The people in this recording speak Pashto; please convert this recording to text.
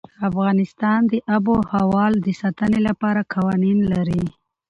افغانستان د آب وهوا د ساتنې لپاره قوانين لري.